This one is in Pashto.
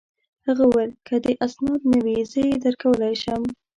هغه وویل: که دي اسناد نه وي، زه يې درکولای شم.